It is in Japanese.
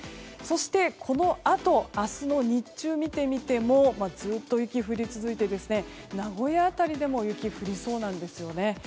そして、このあと明日の日中を見てみてもずっと雪が降り続いて名古屋辺りでも雪が降りそうなんです。